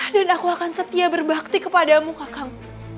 dan aku akan setia berbakti kepadamu kakak